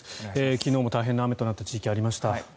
昨日も大変な雨となった地域がありました。